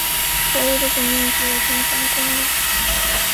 博雷的总面积为平方公里。